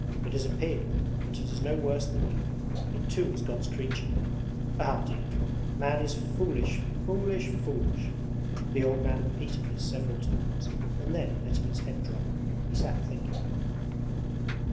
It is a pig, but it is no worse than you it too is God's creature. Ah, dear! Man is foolish, foolish, foolish!' The old man repeated this several times and then, letting his head drop, he sat thinking.